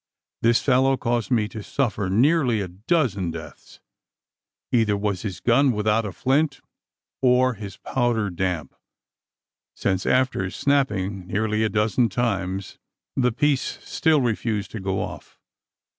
This fellow caused me to suffer nearly a dozen deaths. Either was his gun without a flint, or his powder damp: since after snapping nearly a dozen times, the piece still refused to go off.